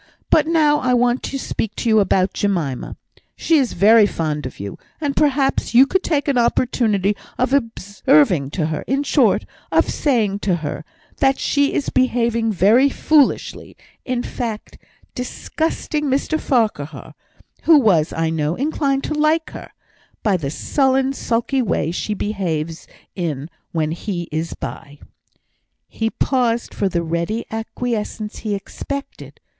But now I want to speak to you about Jemima. She is very fond of you, and perhaps you could take some opportunity of observing to her in short, of saying to her, that she is behaving very foolishly in fact, disgusting Mr Farquhar (who was, I know, inclined to like her) by the sullen, sulky way she behaves in, when he is by." He paused for the ready acquiescence he expected.